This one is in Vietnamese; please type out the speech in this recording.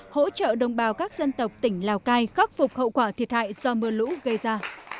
hỗ trợ đồng bào các dân tộc tỉnh lào cai khắc phục hậu quả thiệt hại do mưa lũ gây ra